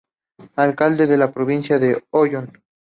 Alcalde de la Provincia de Oyón.